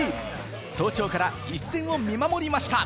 早朝から一戦を見守りました。